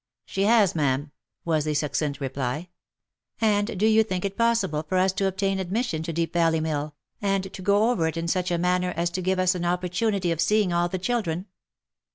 " She has, ma'am," was the succinct reply. " And do you think it possible for us to obtain admission to Deep Valley Mill, and to go over it in such a manner as to give us an oppor tunity of seeing all the children